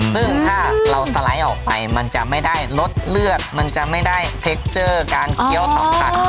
ซึ่งถ้าเราสไลด์ออกไปมันจะไม่ได้รสเลือดมันจะไม่ได้เทคเจอร์การเคี้ยวต่อมตัด